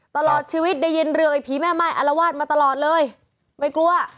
ตลอดชีวิตได้ยินเรือไอ้ผีแม่ไม้อารวาสมาตลอดเลยไม่กลัว